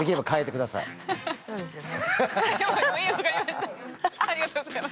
そうですよね。